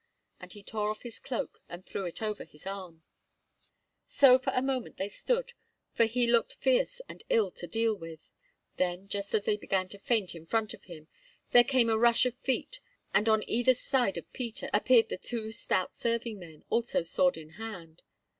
And he tore off his cloak and threw it over his left arm. "You mean that you wish to murder me" So for a moment they stood, for he looked fierce and ill to deal with. Then, just as they began to feint in front of him, there came a rush of feet, and on either side of Peter appeared the two stout serving men, also sword in hand.